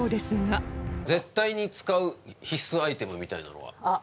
絶対に使う必須アイテムみたいなのは？